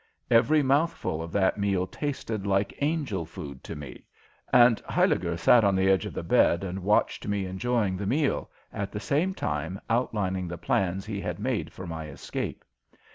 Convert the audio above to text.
Every mouthful of that meal tasted like angel food to me, and Huyliger sat on the edge of the bed and watched me enjoying the meal, at the same time outlining the plans he had made for my escape.